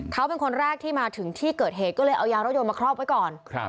เขาเป็นคนแรกที่มาถึงที่เกิดเหตุก็เลยเอายางรถยนต์มาครอบไว้ก่อน